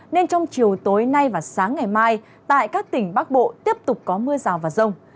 nên trong chiều tối nay và sáng ngày mai tại các tỉnh bắc bộ tiếp tục có mưa rào và rông